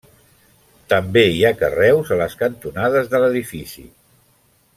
També hi ha carreus a les cantonades de l'edifici.